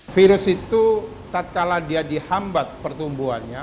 virus itu tak kalah dia dihambat pertumbuhannya